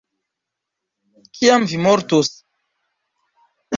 Kiam vi mortos?